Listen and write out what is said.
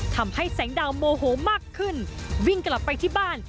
ทำให้แสงดาวโมโหมากขึ้นวิ่งกลับไปที่บ้าน